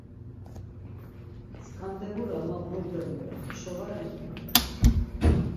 Skandebura ma burde vore, eşo var reni?